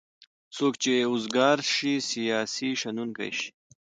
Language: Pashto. څوک چې اوزګار شی سیاسي شنوونکی شي.